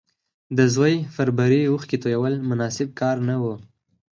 د زوی پر بري اوښکې تويول مناسب کار نه و